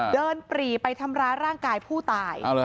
ปรีไปทำร้ายร่างกายผู้ตาย